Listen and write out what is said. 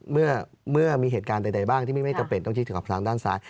เมื่อมีเหตุการณ์ใดบ้างที่ไม่จำเป็นต้องคิดถึงกับทางด้านซ้าย